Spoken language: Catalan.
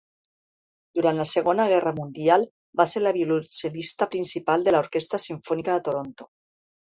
Durant la Segona Guerra Mundial va ser la violoncel·lista principal de l'Orquestra Simfònica de Toronto.